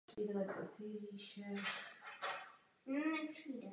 Ve svém usnesení vícekrát zmiňujete důležitost monitorování, vyhodnocování.